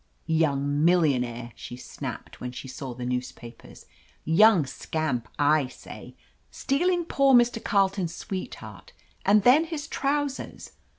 *Tfoung millionaire !" she snapped when she saw the newspapers. "Young scamp, / say, stealing poor Mr. Carleton's sweetheart and then his trousers.